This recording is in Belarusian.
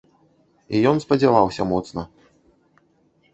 І ён спадзяваўся моцна.